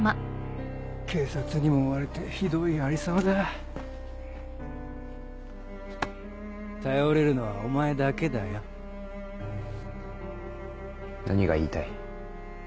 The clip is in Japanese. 警察にも追われてひどいありさまだ頼れるのはお前だけだよ何が言いたい？